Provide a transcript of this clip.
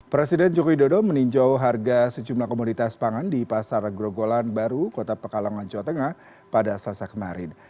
presiden jokowi dodo meninjau harga sejumlah komunitas pangan di pasar grogolan baru kota pekalangan jawa tengah pada selasa kemarin